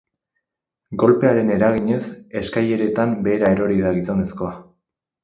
Golpearen eraginez, eskaileretan behera erori da gizonezkoa.